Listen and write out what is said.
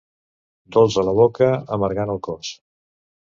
Dolç a la boca, amargant al cos.